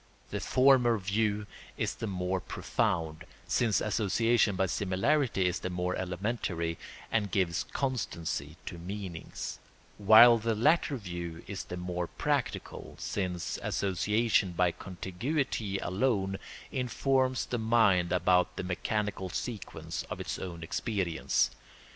The former view is the more profound, since association by similarity is the more elementary and gives constancy to meanings; while the latter view is the more practical, since association by contiguity alone informs the mind about the mechanical sequence of its own experience.